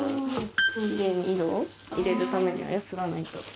キレイに色を入れるためにはやすらないと。